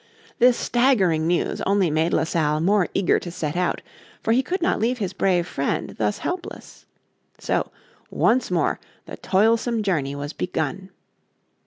This staggering news only made La Salle more eager to set out, for he could not leave his brave friend thus helpless. So once more the toilsome journey was begun.